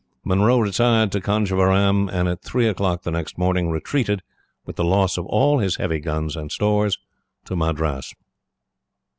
Munro retired to Conjeveram, and at three o'clock the next morning retreated, with the loss of all his heavy guns and stores, to Madras.